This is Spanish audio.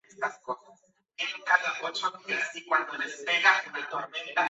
Son cuatro de los "Cinco Finales".